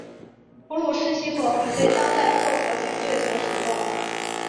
普鲁士系统已为当代各国军队所使用。